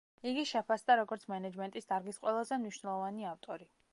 იგი შეფასდა, როგორც მენეჯმენტის დარგის ყველაზე მნიშვნელოვანი ავტორი.